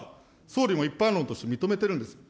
総理も一般論として認めてるんですよ。